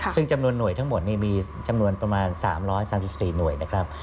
ซึ่งจำนวนหน่วยทั้งหมดมีจำนวนประมาณ๓๓๔หน่วยนะครับ